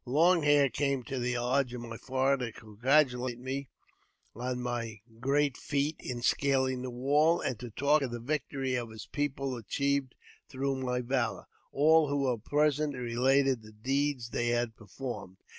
Lon Hair came to the lodge of my father to congratulate me on m great feat in scaling the wall, and to talk of the victory of his people achieved through my valour. All who were present related the deeds they had performed.